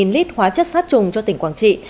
một lít hóa chất sát trùng cho tỉnh quảng trị